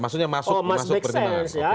maksudnya masuk oh must make sense ya